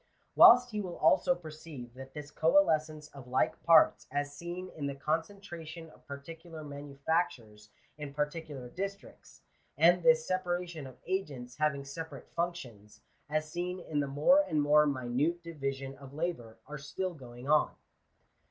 Whilst he will also perceive that this coalescence of like parts/ as seen in the concentration of particular manufactures in par ticular districts, and this separation of agents having separate functions, as seen in the more and more minute division of labour, are still going on.